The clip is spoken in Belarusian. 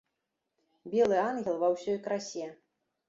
Белы ангел ва ўсёй красе.